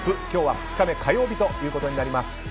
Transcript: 今日は２日目火曜日ということになります。